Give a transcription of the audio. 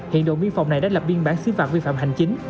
hiện độ biên phòng này đã lập biên bản xíu phạt vi phạm hành chính